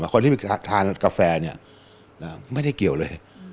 คนที่ทานกาแฟไม่ได้เกี่ยวเลย